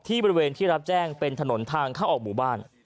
บริเวณที่รับแจ้งเป็นถนนทางเข้าออกหมู่บ้าน